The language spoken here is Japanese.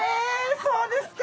そうですか。